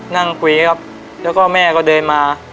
นั่งคุยครับแล้วก็แม่ก็เดินมา